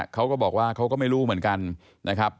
เขาก็บอกว่าเขาก็ไม่รู้เหมือนกันนะครับ